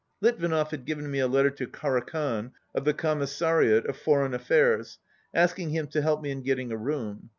Litvinov had given me a letter to Karakhan of the Commissariat of Foreign Affairs, asking him to help me in getting a room.